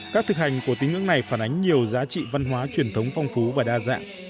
các thực hành của tín ngưỡng này phản ánh nhiều giá trị văn hóa truyền thống phong phú và đa dạng